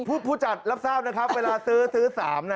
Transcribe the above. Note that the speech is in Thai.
ผู้จัดรับทราบนะครับเวลาซื้อซื้อ๓นะ